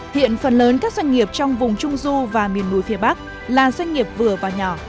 hiện phần lớn các doanh nghiệp trong vùng trung du và miền núi phía bắc là doanh nghiệp vừa và nhỏ